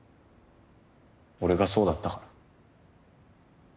俺がそうだったから。